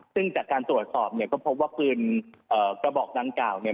ซึ่งจากการตรวจสอบเนี่ยก็พบว่าปืนกระบอกดังกล่าวเนี่ย